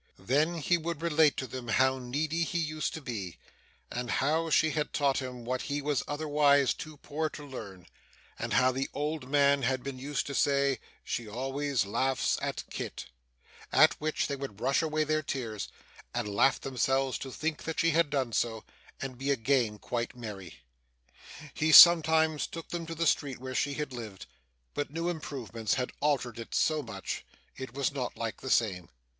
Then, he would relate to them how needy he used to be, and how she had taught him what he was otherwise too poor to learn, and how the old man had been used to say 'she always laughs at Kit;' at which they would brush away their tears, and laugh themselves to think that she had done so, and be again quite merry. He sometimes took them to the street where she had lived; but new improvements had altered it so much, it was not like the same.